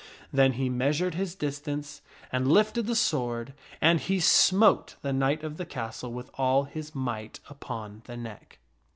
Then he measured his distance, and lifted the sword, and he smote the knight of the castle with all his might upon the neck.